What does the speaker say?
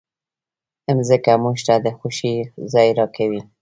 مځکه موږ ته د خوښۍ ځای راکوي.